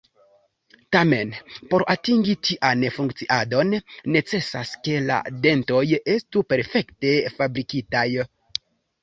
Tamen, por atingi tian funkciadon, necesas ke la dentoj estu perfekte fabrikitaj.